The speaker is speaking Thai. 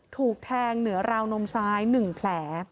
ถูกแทงเหนือราวนมซ้าย๑แผล